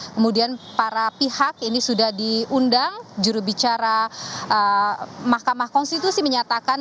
kemudian para pihak ini sudah diundang jurubicara mahkamah konstitusi menyatakan